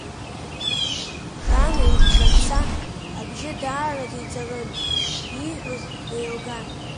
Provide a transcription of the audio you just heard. Жана иԥхьарца абжьы даараӡа иҵарын, ииҳәоз еилган.